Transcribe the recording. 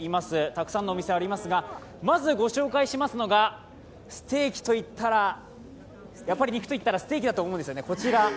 たくさんのお店ありますが、まずご紹介しますのがやっぱり肉といったステーキだと思うんですね。